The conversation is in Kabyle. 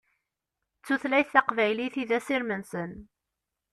D tutlayt taqbaylit i d asirem-nsen.